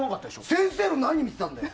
先生の何見てたんだよ！